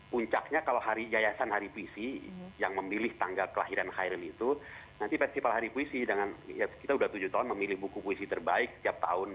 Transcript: puncaknya kalau hari yayasan hari puisi yang memilih tanggal kelahiran hairul itu nanti festival hari puisi dengan ya kita sudah tujuh tahun memilih buku puisi terbaik setiap tahun